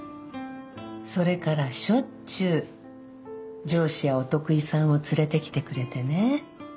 それからしょっちゅう上司やお得意さんを連れてきてくれてね